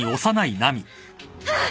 あっ。